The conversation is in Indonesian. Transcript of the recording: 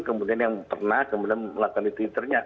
kemudian yang pernah kemudian melakukan itu